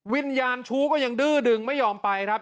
วิญญาณชู้ก็ยังดื้อดึงไม่ยอมไปครับ